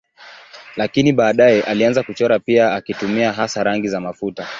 Lakini baadaye alianza kuchora pia akitumia hasa rangi za mafuta.